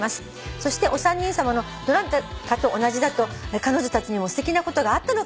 「そしてお三人さまのどなたかと同じだと彼女たちにもすてきなことがあったのかなと思っています」